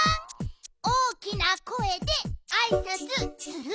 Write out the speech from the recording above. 大きなこえであいさつする？